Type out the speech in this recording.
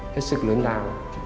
hết sức lớn lao